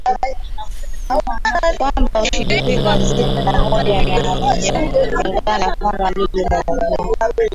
kwamba ushirika ziko pamoja na hazijatengana kama alivyotarajia